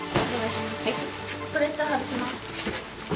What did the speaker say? ・ストレッチャー外します。